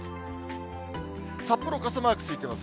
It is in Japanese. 札幌傘マークついてます。